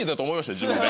自分で？